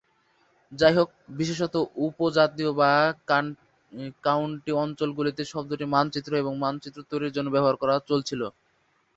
যাইহোক, বিশেষত উপ-জাতীয় বা কাউন্টি অঞ্চলগুলিতে শব্দটি মানচিত্র এবং মানচিত্র তৈরির জন্য ব্যবহার করা চলছিল।